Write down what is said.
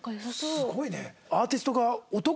すごいね。